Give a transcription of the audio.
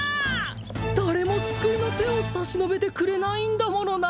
誰も救いの手を差し伸べてくれないんだものな